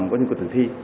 trên vùng cầm của thử thi